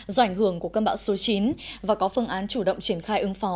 do ảnh hưởng của cơn bão số chín và có phương án chủ động triển khai ứng phó